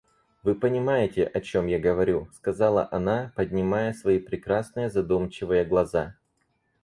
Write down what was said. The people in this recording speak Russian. Вы понимаете, о чем я говорю, — сказала она, поднимая свои прекрасные задумчивые глаза.